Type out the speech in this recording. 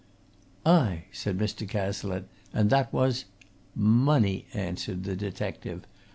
"Aye!" said Mr. Cazalette. "And that was " "Money!" answered the detective.